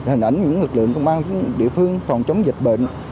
hình ảnh những lực lượng công an địa phương phòng chống dịch bệnh